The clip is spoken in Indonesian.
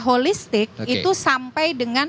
holistik itu sampai dengan